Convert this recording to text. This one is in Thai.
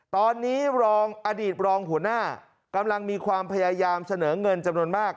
ตอนนี้รองอดีตรองหัวหน้ากำลังมีความพยายามเสนอเงินจำนวนมาก